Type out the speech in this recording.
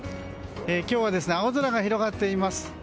今日は青空が広がっています。